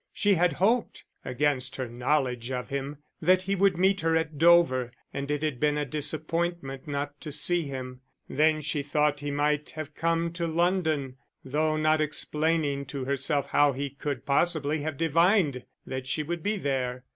She had hoped, against her knowledge of him, that he would meet her at Dover, and it had been a disappointment not to see him. Then she thought he might have come to London, though not explaining to herself how he could possibly have divined that she would be there.